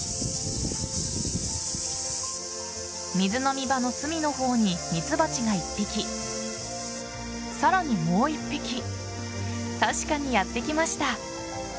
水飲み場の隅の方にミツバチが１匹さらにもう１匹確かにやって来ました。